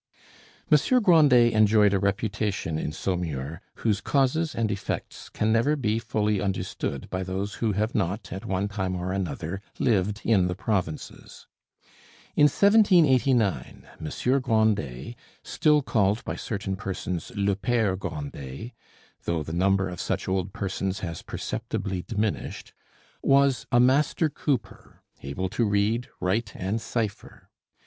Monsieur Grandet enjoyed a reputation in Saumur whose causes and effects can never be fully understood by those who have not, at one time or another, lived in the provinces. In 1789 Monsieur Grandet still called by certain persons le Pere Grandet, though the number of such old persons has perceptibly diminished was a master cooper, able to read, write, and cipher.